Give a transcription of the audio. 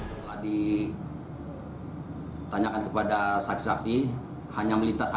telah ditanyakan kepada saksi saksi hanya melintas saja